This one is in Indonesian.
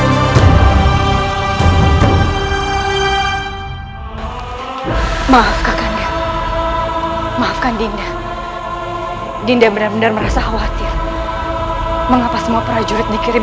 maaf kakaknya makan dinda dinda benar benar merasa khawatir mengapa semua prajurit dikirim